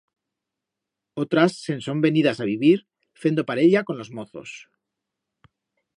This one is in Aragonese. Otras se'n son venidas a vivir fendo parella con los mozos.